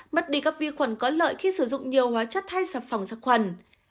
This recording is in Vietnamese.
mất đi các vi khuẩn có lợi khi sử dụng nhiều hóa chất hay sạp phòng sạc khuẩn